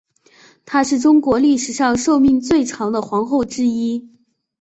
她是中国历史上寿命最长的皇后之一。